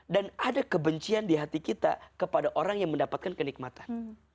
dan ada kebencian di hati kita kepada orang yang mendapatkan kenikmatan